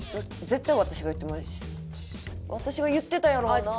絶対私が言って私が言ってたやろな。